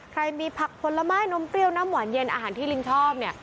ใครมีผักผลไม้นมเปรี้ยวน้ำหวานเย็นอาหารที่ลิงชอบเนี่ย